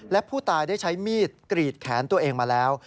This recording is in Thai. และผู้ตายได้ใช้มีดกรีดแขนตัวเองมาแล้ว